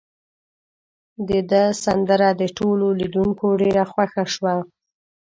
د ده سندره د ټولو لیدونکو ډیره خوښه شوه.